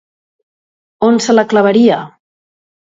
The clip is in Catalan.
On se la clavaria?